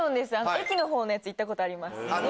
駅の方の行ったことあります